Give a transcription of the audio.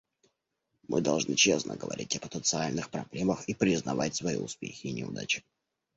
Мы должны честно говорить о потенциальных проблемах и признавать свои успехи и неудачи.